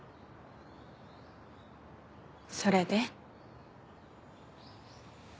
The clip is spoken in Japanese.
それで？